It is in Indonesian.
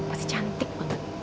pasti cantik banget